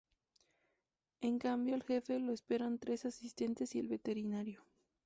En cambio al Jefe, lo esperan tres asistentes y el veterinario.